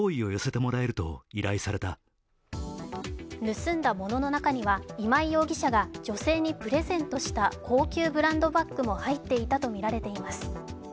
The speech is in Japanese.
盗んだ物の中には今井容疑者が女性にプレゼントした高級ブランドバッグも入っていたとみられています。